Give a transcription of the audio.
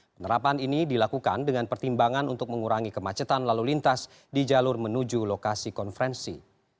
penerapan ini dilakukan dengan pertimbangan untuk mengurangi kemacetan lalu lintas di jalur menuju lokasi konferensi